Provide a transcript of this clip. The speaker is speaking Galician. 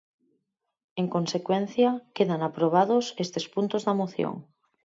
En consecuencia, quedan aprobados estes puntos da moción.